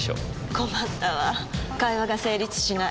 困ったわ会話が成立しない。